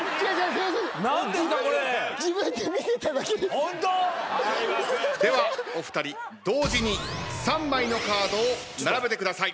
ホント？ではお二人同時に３枚のカードを並べてください。